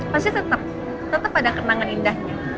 pasti tetap tetap ada kenangan indahnya